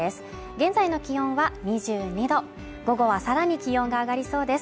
現在の気温は２２度午後はさらに気温が上がりそうです。